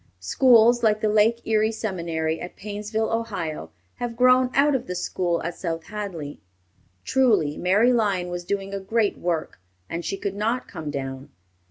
Schools like the Lake Erie Seminary at Painesville, Ohio, have grown out of the school at South Hadley. Truly, Mary Lyon was doing a great work, and she could not come down.